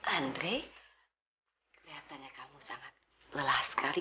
andre kelihatannya kamu sangat lelah sekali